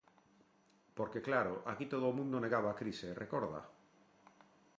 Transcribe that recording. Porque, claro, aquí todo o mundo negaba a crise, ¿recorda?